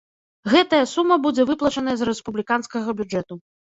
Гэтая сума будзе выплачаная з рэспубліканскага бюджэту.